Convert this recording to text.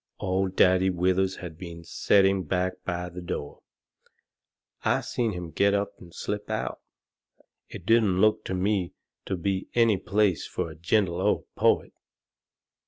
Old Daddy Withers had been setting back by the door. I seen him get up and slip out. It didn't look to me to be any place fur a gentle old poet.